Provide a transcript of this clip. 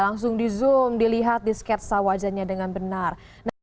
langsung di zoom dilihat disketcha wajahnya dengan benar